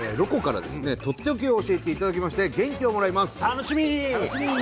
とっておきを教えていただきまして元気をもらいます。